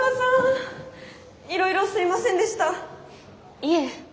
いえ。